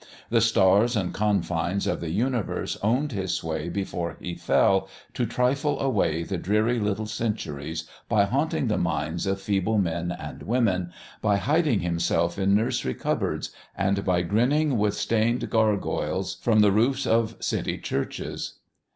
The stars and confines of the universe owned his sway before he fell, to trifle away the dreary little centuries by haunting the minds of feeble men and women, by hiding himself in nursery cupboards, and by grinning with stained gargoyles from the roofs of city churches....